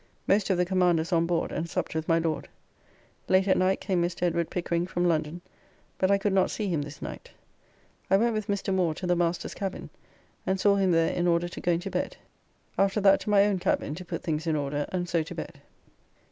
Most of the Commanders on board and supped with my Lord. Late at night came Mr. Edw. Pickering from London, but I could not see him this night. I went with Mr. Moore to the Master's cabin, and saw him there in order to going to bed. After that to my own cabin to put things in order and so to bed.